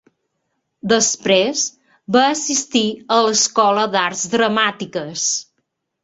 Després va assistir a l'escola d'arts dramàtiques.